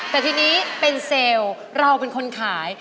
แต่ทีนี้เป็นเซลล์เราเป็นคนขาย